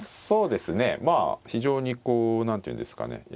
そうですねまあ非常にこう何ていうんですかね